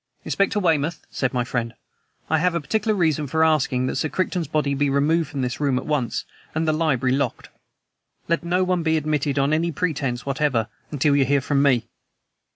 "Inspector Weymouth," said my friend, "I have a particular reason for asking that Sir Crichton's body be removed from this room at once and the library locked. Let no one be admitted on any pretense whatever until you hear from me."